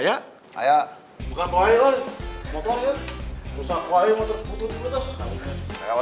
wah demekan riana